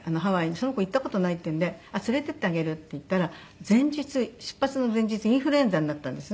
その子行った事ないっていうんで連れていってあげるって言ったら前日出発の前日インフルエンザになったんですね